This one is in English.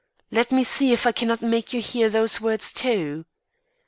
Let me see if I cannot make you hear those words, too."